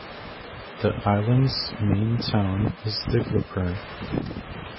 The island's main town is Diglipur.